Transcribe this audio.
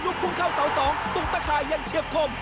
ลูกพุ่งเข้าเสา๒ตรงตะขายังเชียบคม